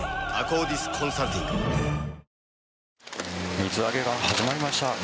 水揚げが始まりました。